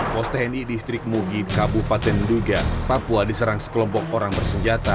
pos tni distrik mugi kabupaten nduga papua diserang sekelompok orang bersenjata